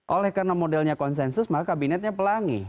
oleh karena modelnya konsensus maka kabinetnya pelangi